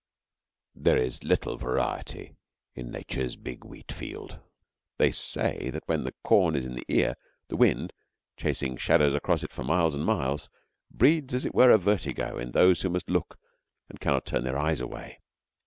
There is little variety in Nature's big wheat field. They say that when the corn is in the ear, the wind, chasing shadows across it for miles on miles, breeds as it were a vertigo in those who must look and cannot turn their eyes away.